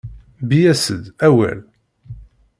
Bbi-yas-d, awal!